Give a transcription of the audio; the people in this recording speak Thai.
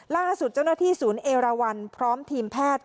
ล่าสุดเจ้าหน้าที่ศูนย์เอราวันพร้อมทีมแพทย์